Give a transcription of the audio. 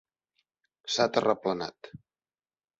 S'ha terraplenat.